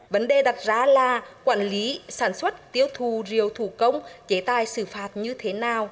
vấn đề đặt ra là quản lý sản xuất tiêu thụ rượu thủ công chế tài xử phạt như thế nào